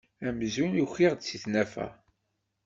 Amzun ukiɣ-d si tnafa.